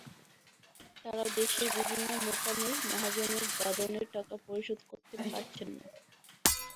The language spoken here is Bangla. তাঁরা দেশের বিভিন্ন মোকামের মহাজনের দাদনের টাকা পরিশোধ করতে পারছেন না।